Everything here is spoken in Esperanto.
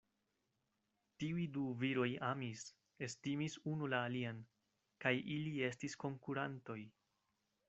Tiuj du viroj amis, estimis unu la alian; kaj ili estis konkurantoj.